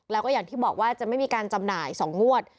แล้วก็อย่างที่บอกว่าจะไม่มีการจำหน่าย๒งวด